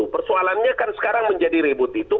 persoalannya kan sekarang menjadi ribut itu